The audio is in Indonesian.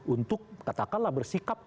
untuk katakanlah bersikap